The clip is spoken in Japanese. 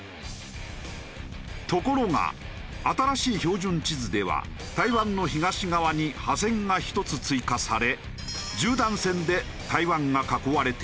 ところが新しい標準地図では台湾の東側に破線が１つ追加され十段線で台湾が囲われている。